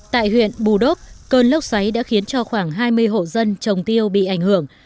tại huyện bù đốc cơn lốc xoáy đã khiến cho khoảng hai mươi hộ dân trồng tiêu bị ảnh hưởng